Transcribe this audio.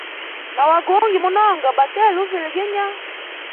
Na wagungi munonga, bategali uviliginya.